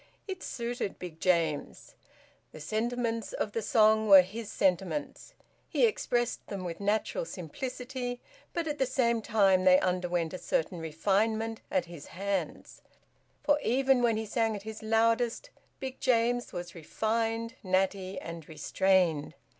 It suited Big James. The sentiments of the song were his sentiments; he expressed them with natural simplicity; but at the same time they underwent a certain refinement at his hands; for even when he sang at his loudest Big James was refined, natty, and restrained.